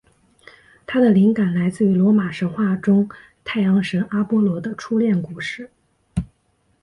它的灵感来自罗马神话中太阳神阿波罗的初恋故事。